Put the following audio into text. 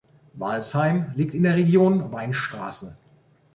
Walsheim liegt in der Region Weinstraße.